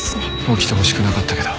起きてほしくなかったけど。